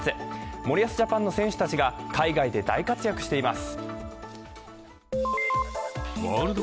森保ジャパンの選手たちが海外で大活躍しています。